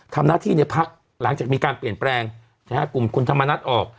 ทำหน้าที่ในพักหลังจากมีการเปลี่ยนแปลงกลุ่มคุณธรรมนัฐออก